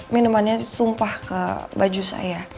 minumannya tumpah ke baju saya